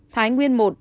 thái nguyên một